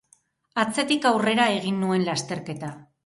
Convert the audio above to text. Atzetik aurrera egin nuen lasterketa.